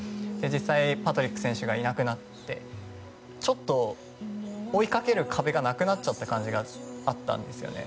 実際、パトリック選手がいなくなってちょっと追いかける壁がなくなっちゃった感じがあったんですよね。